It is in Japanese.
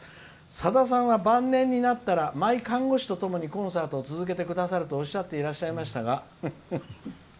さださんは晩年になったらマイ看護師とともにコンサートを続けてくださるとおっしゃっていましたが」。